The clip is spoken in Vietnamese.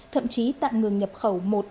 thậm chí tạm ngừng nhập khẩu một